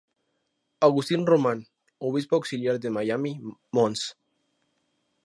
Agustín Román, obispo auxiliar de Miami, Mons.